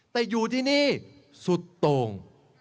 แต่อยู่ที่นี่สุดโต่ง